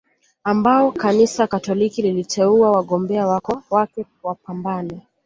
ambao Kanisa Katoliki liliteua wagombea wake wapambane